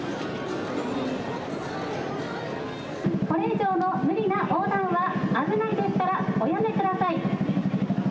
これ以上の無理な横断は危ないですからおやめください。